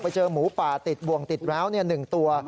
ไปเจอหมูป่าติดบ่วงติดแล้วเนี่ย๑ตัว